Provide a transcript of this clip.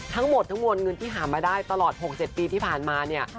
ทั้งหมดทั้งมวลเงินที่หามาได้ตลอด๖๗ปีที่ผ่านมาเนี่ย